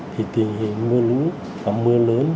thì tình hình mưa lũ và mưa lớn